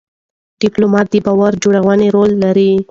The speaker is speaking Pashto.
ډيپلومات د باور جوړونې رول لري.